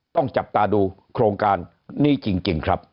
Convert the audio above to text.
ต้องจับตาดูโครงการนี้จริงครับ